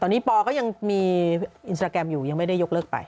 ตอนนี้ปอก็ยังมีอินสตราแกรมอยู่ยังไม่ได้ยกเลิกไป